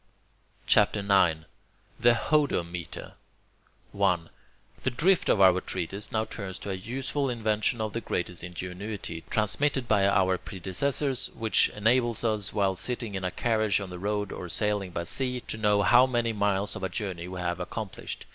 CHAPTER IX THE HODOMETER 1. The drift of our treatise now turns to a useful invention of the greatest ingenuity, transmitted by our predecessors, which enables us, while sitting in a carriage on the road or sailing by sea, to know how many miles of a journey we have accomplished.